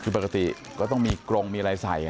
คือปกติก็ต้องมีกรงมีอะไรใส่